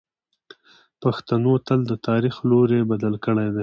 پښتنو تل د تاریخ لوری بدل کړی دی.